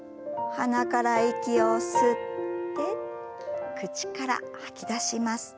鼻から息を吸って口から吐き出します。